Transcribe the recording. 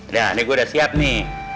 nah ini gue udah siap nih